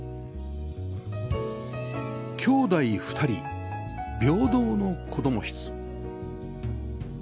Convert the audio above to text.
きょうだい２人平等の子供室